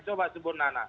coba sebut nana